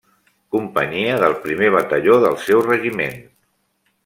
Companyia del primer Batalló del seu Regiment.